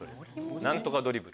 何とかドリブル。